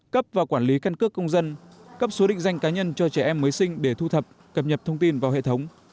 cấp và quản lý căn cước công dân cấp số định danh cá nhân cho trẻ em mới sinh để thu thập cập nhật thông tin vào hệ thống